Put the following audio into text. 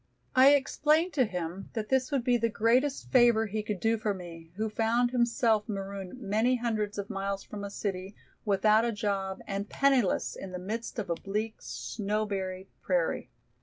I explained to him that this would be the greatest favor he could do for me, who found himself marooned many hundreds of miles from a city, without a job and penniless, in the midst of a bleak, snow buried prairie.